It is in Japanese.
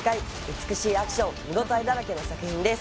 美しいアクション見応えだらけの作品です